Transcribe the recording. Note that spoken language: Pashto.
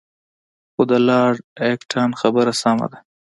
خو د لارډ اکټان خبره سمه ده.